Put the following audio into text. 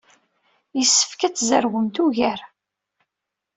Yessefk ad tzerwemt ugar.